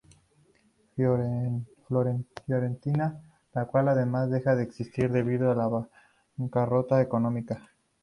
Fiorentina, la cual además, deja de existir debido al bancarrota económica.